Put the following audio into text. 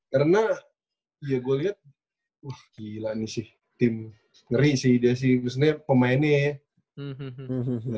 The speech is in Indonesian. karena ya gua liat wah gila nih sih tim ngeri sih dia sih misalnya pemainnya ya